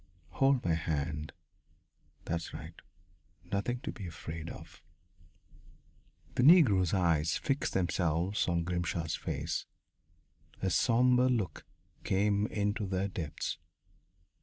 "Hold my hand. That's right. Nothing to be afraid of." The Negro's eyes fixed themselves on Grimshaw's face a sombre look came into their depths.